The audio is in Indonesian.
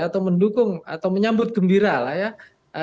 atau mendukung atau menyambut gembira lah ya